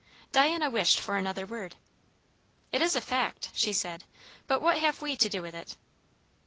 Diana wished for another word. "It is a fact," she said; "but what have we to do with it?"